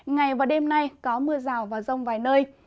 ngày và đêm nay có mưa rào và rông vài nơi